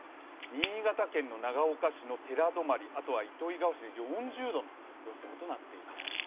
新潟県の長岡市の寺泊、あとは糸魚川市で４０度の予想となっています。